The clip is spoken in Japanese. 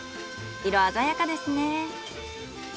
色鮮やかですね。